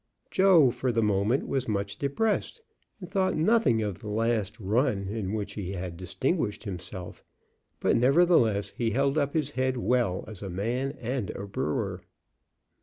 Joe for the moment was much depressed, and thought nothing of the last run in which he had distinguished himself; but nevertheless he held up his head well as a man and a brewer.